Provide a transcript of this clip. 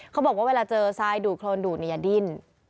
เขาบอกว่าเวลาเจอทรายดูดโครนดูดอย่าดิ้น